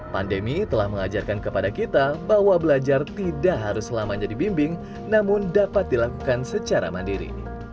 pandemi telah mengajarkan kepada kita bahwa belajar tidak harus selamanya dibimbing namun dapat dilakukan secara mandiri